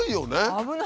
危ない。